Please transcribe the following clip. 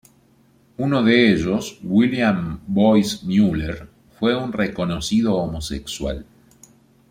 Uno de ellos, William Boyce Mueller, fue un reconocido homosexual.